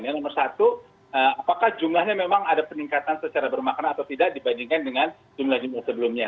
yang nomor satu apakah jumlahnya memang ada peningkatan secara bermakna atau tidak dibandingkan dengan jumlah jumlah sebelumnya